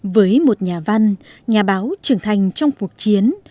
với một nhà văn nhà báo trưởng thành trong cuộc chiến